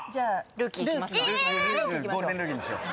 ゴールデンルーキーにしよう。